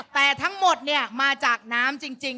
แต่ทั้งหมดมาจากน้ำจริง